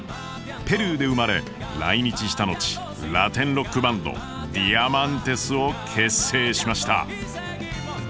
ペルーで生まれ来日した後ラテンロックバンド「ＤＩＡＭＡＮＴＥＳ」を結成しました。